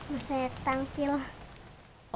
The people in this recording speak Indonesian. masa yang tangki loh